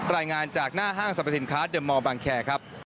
รายงานจากหน้าห้างสรรพสินค้าเดอร์มอลบางแคร์ครับ